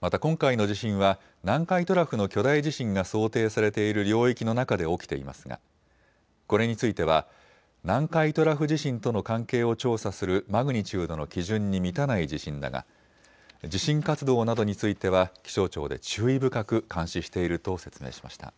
また今回の地震は南海トラフの巨大地震が想定されている領域の中で起きていますがこれについては、南海トラフ地震との関係を調査するマグニチュードの基準に満たない地震だが地震活動などについては気象庁で注意深く監視していると説明しました。